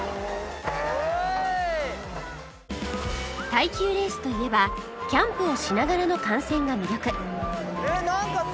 耐久レースといえばキャンプをしながらの観戦が魅力